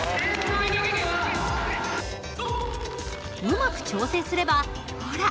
うまく調整すればほら